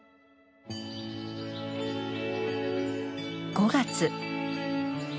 ５月。